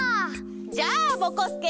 じゃあぼこすけ